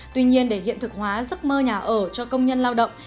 tuy nhiên để hiện thực hóa giấc mơ nhà ở cho công nhân lao động